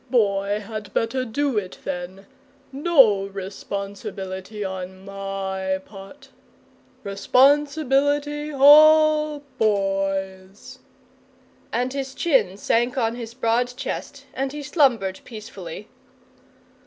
Boy had better do it then! No responsibility on my part. Responsibility all Boy's!" And his chin sank on his broad chest and he slumbered peacefully.